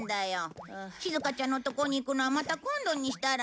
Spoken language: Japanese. しずかちゃんのとこに行くのはまた今度にしたら？